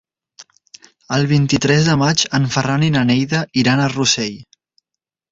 El vint-i-tres de maig en Ferran i na Neida iran a Rossell.